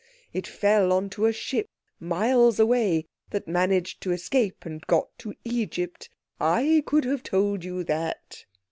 It fell on to a ship miles away that managed to escape and got to Egypt. I could have told you that."